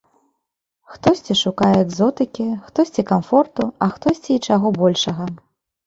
Хтосьці шукае экзотыкі, хтосьці камфорту, а хтосьці і чаго большага.